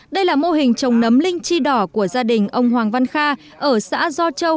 đây là mô hình trồng nấm linh chi đỏ của gia đình ông hoàng văn kha ở xã do châu